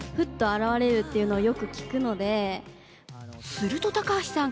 すると、高橋さん